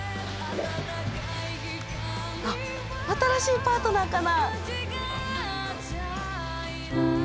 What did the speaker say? あっ新しいパートナーかな？